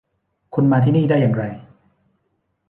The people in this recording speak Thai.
คุณมาที่นี่ได้อย่างไร